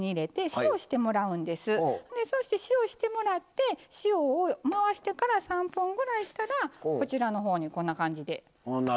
そして塩してもらって塩を回してから３分ぐらいしたらこちらの方にこんな感じで水分が。